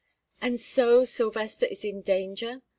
"And so Sylvester is in danger?"